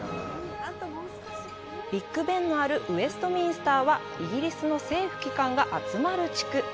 ビッグベンのあるウェストミンスターはイギリスの政府機関が集まる地区。